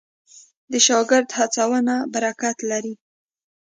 د شاګرد هڅونه برکت لري.